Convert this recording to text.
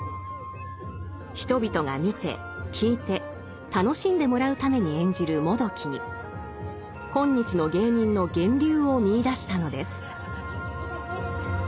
人々が見て聞いて楽しんでもらうために演じる「もどき」に今日の芸人の源流を見いだしたのです。